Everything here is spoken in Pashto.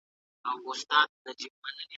بازار چي فعال وي پانګونه زياتېږي.